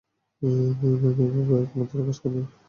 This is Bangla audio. এভাবে এ মন্ত্র কাজ করে না।